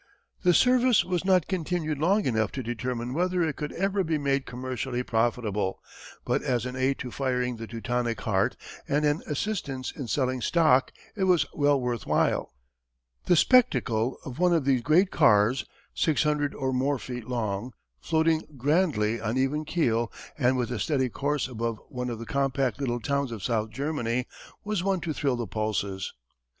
The service was not continued long enough to determine whether it could ever be made commercially profitable, but as an aid to firing the Teutonic heart and an assistance in selling stock it was well worth while. The spectacle of one of these great cars, six hundred or more feet long, floating grandly on even keel and with a steady course above one of the compact little towns of South Germany, was one to thrill the pulses.